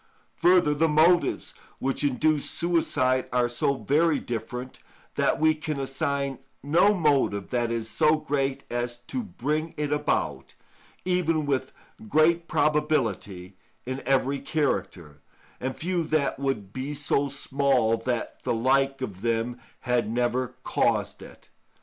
Further, the motives which induce suicide are so very different, that we can assign no motive that is so great as to bring it about, even with great probability, in every character, and few that would be so small that the like of them had never caused it.